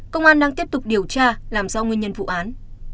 công an đang tiếp tục điều tra làm rõ nguyên nhân vụ án